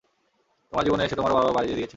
তোমার জীবনে এসে তোমারও বারো বাজিয়ে দিয়েছি।